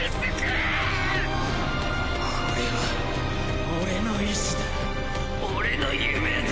これは俺の意志だ俺の夢だ！